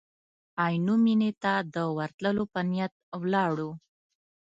عینو مېنې ته د ورتلو په نیت ولاړو.